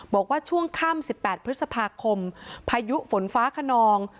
บอกว่าช่วงค่ำ๑๘พฤษภาคมพายุฝนฟ้าขนอง